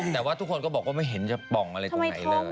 แต่ว่าทุกคนก็บอกว่าไม่เห็นจะป่องอะไรตรงไหนเลย